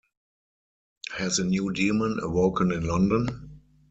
Has a new demon awoken in London?